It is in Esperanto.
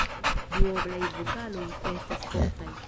Duoblaj vokaloj estas oftaj.